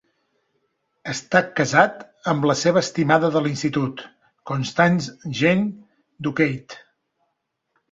Està casat amb la seva estimada de l'institut, Constance Jean Duquette.